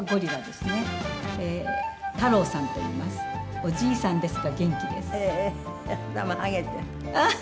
おじいさんですが元気です。